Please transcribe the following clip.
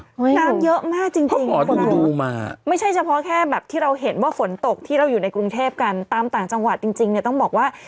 น้ำเยอะมากจริงไม่ใช่เฉพาะแค่แบบที่เราเห็นว่าฝนตกที่เราอยู่ในกรุงเทพกันตามต่างจังหวัดจริงเนี่ยต้องบอกว่า